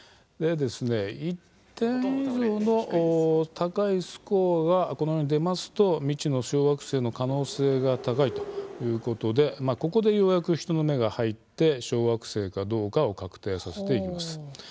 １点以上の高いスコアが出ますと未知の小惑星の可能性が高くここでようやく人の目が入り小惑星かどうかを確定させます。